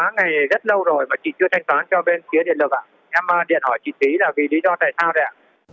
em điện hỏi chị thúy là vì lý do tại sao đấy ạ